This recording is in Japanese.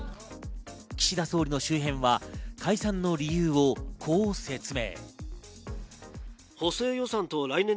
岸田総理の周辺は解散の理由をこう説明。